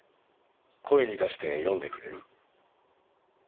声に出して読んでくれる？